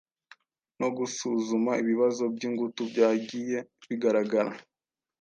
no gusuzuma ibibazo by'ingutu byagiye bigaragara.